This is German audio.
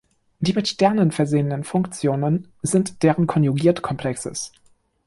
Die mit Sternen versehenen Funktionen sind deren Konjugiert-Komplexes.